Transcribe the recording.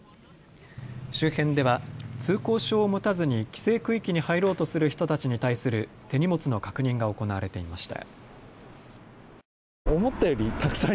周辺では通行証を持たずに規制区域に入ろうとする人たちに対する手荷物の確認が行われていました。